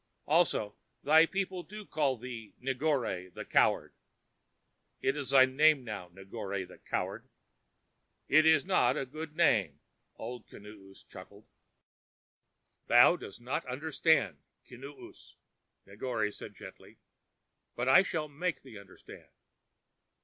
Also, thy people do call thee Negore, the Coward. It is thy name now, Negore, the Coward." "It is not a good name," Old Kinoos chuckled. "Thou dost not understand, Kinoos," Negore said gently. "But I shall make thee understand.